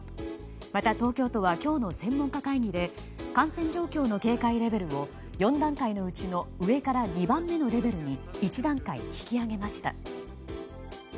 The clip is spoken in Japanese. また、東京都は今日の専門家会議で感染状況の警戒レベルを４段階のうちの上から２番目のレベルに１段階引き上げました。